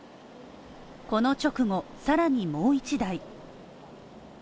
この直後、さらにもう１台。